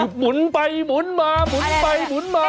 หมุนไปหมุนมาหมุนไปหมุนมา